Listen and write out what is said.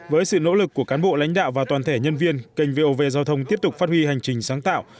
với sự nỗ lực của cán bộ lãnh đạo và toàn thể nhân viên kênh vov giao thông tiếp tục phát huy hành trình sáng tạo